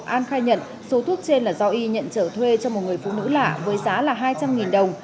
an khai nhận số thuốc trên là do y nhận trở thuê cho một người phụ nữ lạ với giá là hai trăm linh đồng